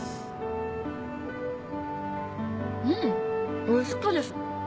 うんおいしかです。